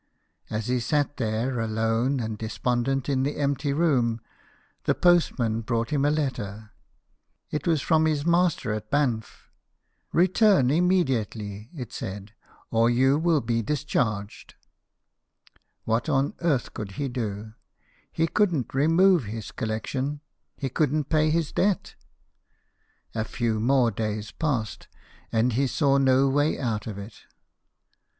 As he sat there alone and despondent in the empty room, the postman brought him a letter. It was from his master at Banff. " Return immediately," it said, " or you will be discharged." What on earth could he do ? He couldn't remove his Collection ; he couldn't pay his debt. A few more days passed, and he saw no way out of it.